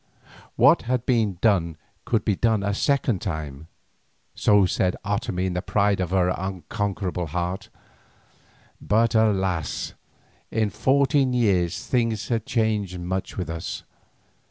What had been done could be done a second time—so said Otomie in the pride of her unconquerable heart. But alas! in fourteen years things had changed much with us.